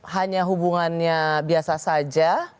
hanya hubungannya biasa saja